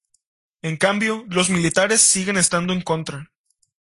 En cambio los militares siguen estando en contra.